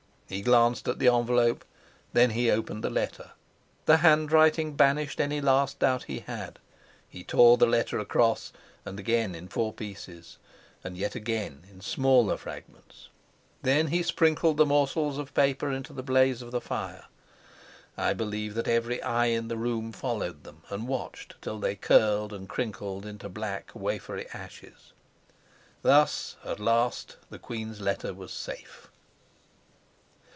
He glanced at the envelope, then he opened the letter. The handwriting banished any last doubt he had; he tore the letter across, and again in four pieces, and yet again in smaller fragments. Then he sprinkled the morsels of paper into the blaze of the fire. I believe that every eye in the room followed them and watched till they curled and crinkled into black, wafery ashes. Thus, at last the queen's letter was safe.